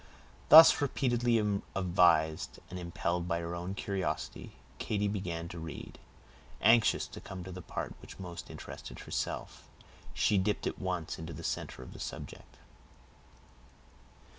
Thus repeatedly advised, and impelled by her own curiosity, Katy began to read. Anxious to come to the part which most interested herself, she dipped at once into the center of the subject.